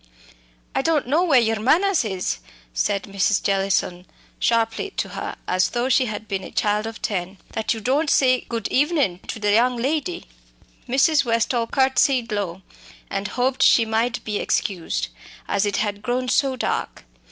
"I don' know where yur manners is," said Mrs. Jellison sharply to her, as though she had been a child of ten, "that you don't say good evenin' to the young lady." Mrs. Westall curtsied low, and hoped she might be excused, as it had grown so dark.